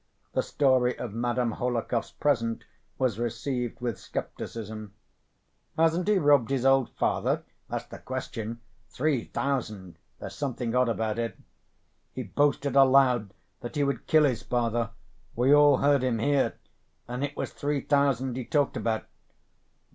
The story of Madame Hohlakov's present was received with skepticism. "Hasn't he robbed his old father?—that's the question." "Three thousand! There's something odd about it." "He boasted aloud that he would kill his father; we all heard him, here. And it was three thousand he talked about